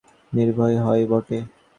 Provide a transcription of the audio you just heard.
তবে জল ফুটিয়ে নিতে পারলে নির্ভয় হয় বটে।